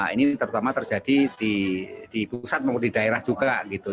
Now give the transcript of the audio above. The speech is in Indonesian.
ini terutama terjadi di pusat maupun di daerah juga gitu